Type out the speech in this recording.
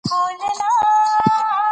د نجونو تعلیم د فیشن ډیزاین ته وده ورکوي.